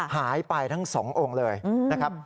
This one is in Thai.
หายไปทั้ง๒องค์เลยนะครับ